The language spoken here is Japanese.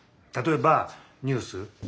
たとえばニュース。